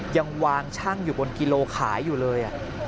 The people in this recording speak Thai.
ยังวางช่างอยู่บนกิโลขายอยู่เลย